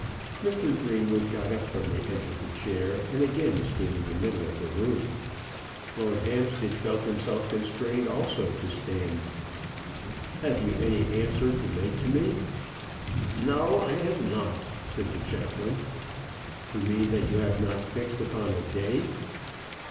Mr. Greenwood got up from the edge of the chair, and again stood in the middle of the room. Lord Hampstead felt himself constrained also to stand. "Have you any answer to make to me?" "No; I have not," said the chaplain. "You mean that you have not fixed upon a day?"